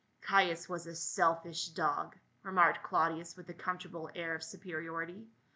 " Caius was a selfish dog," remarked Claudius with a comfortable air of superiority.